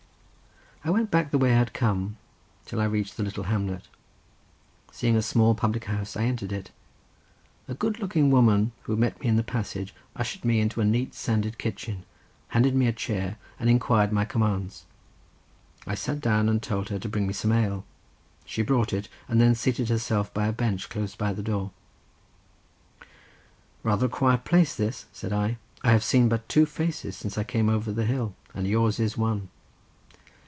I went back the way I had come, till I reached the little hamlet. Seeing a small public house, I entered it—a good looking woman, who met me in the passage, ushered me into a neat sanded kitchen, handed me a chair and inquired my commands; I sat down, and told her to bring me some ale; she brought it, and then seated herself by a bench close by the door. "Rather a quiet place this," said I. "I have seen but two faces since I came over the hill, and yours is one."